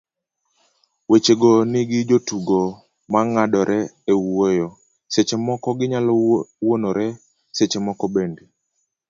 wechego nigi jotugo mang'adore e wuoyo, seche moko ginyalo wuonore, seche moko bende